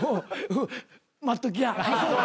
待っときや。